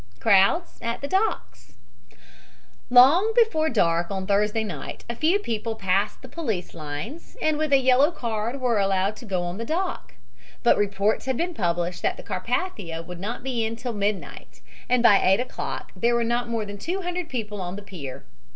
CROWDS AT THE DOCKS Long before dark on Thursday night a few people passed the police lines and with a yellow card were allowed to go on the dock; but reports had been published that the Carpathia would not be in till midnight, and by 8 o'clock there were not more than two hundred people on the pier.